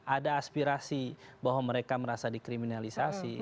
ada aspirasi bahwa mereka merasa dikriminalisasi